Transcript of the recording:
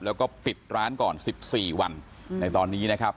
แล้วก็ปิดร้านก่อน๑๔วันในตอนนี้นะครับ